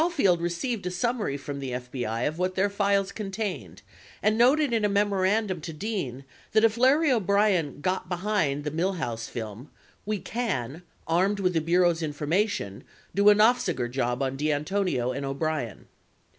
145 Caulfield received a summary from the FBI of what their files contained, and noted in a memorandum to Dean that if Larry O'Brien "got behind" the "Millhouse" film, "we can, armed with the Bureau's information, do a Nofziger job on DeAntonio and O'Brien."